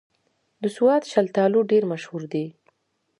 د سوات شلتالو ډېر مشهور دي